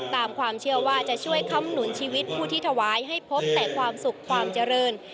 ตามความเชื่อว่าจะช่วยค้ำหนุนชีวิตผู้ที่ถวายให้พบแต่ความสุขความเจริญ